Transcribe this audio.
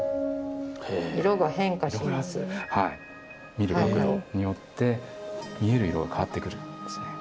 見る角度によって見える色が変わってくるんですね。